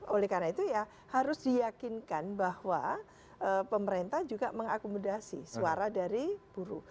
oleh karena itu ya harus diyakinkan bahwa pemerintah juga mengakomodasi suara dari buruh